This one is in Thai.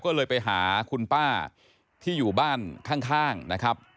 ก็เลยไปหาคุณป้าที่อยู่บ้านข้างนะครับ